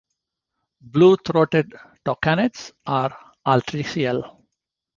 Blue-throated toucanets are altricial.